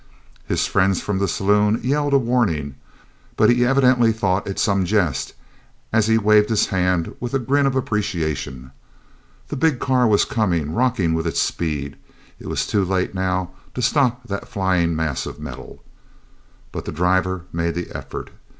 His friends from the saloon yelled a warning, but he evidently thought it some jest, as he waved his hand with a grin of appreciation. The big car was coming, rocking with its speed; it was too late now to stop that flying mass of metal. But the driver made the effort.